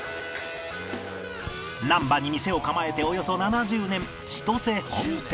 難波に店を構えておよそ７０年千とせ本店